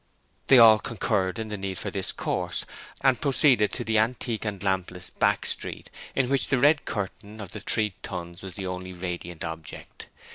They all concurred in the need for this course, and proceeded to the antique and lampless back street, in which the red curtain of the Three Tuns was the only radiant object.